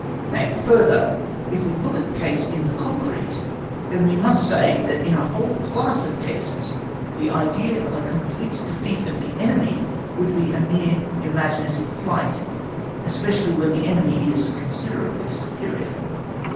Nay, further, if we look at the case in the concrete, then we must say that in a whole class of cases, the idea of a complete defeat of the enemy would be a mere imaginative flight, especially when the enemy is considerably superior.